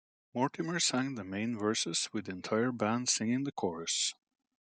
Mortimer sang the main verses with the entire band singing the chorus.